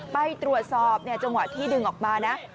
ไปตรวจสอบจังหวะที่ดึงออกมานะ